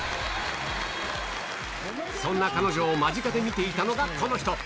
そんな彼女を間近で見ていたのがこの人。